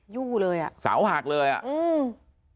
ยู้เลยเสาหากเลยอืม